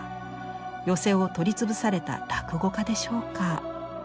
寄席を取り潰された落語家でしょうか。